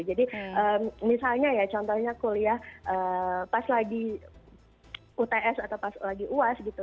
jadi misalnya ya contohnya kuliah pas lagi uts atau pas lagi uas gitu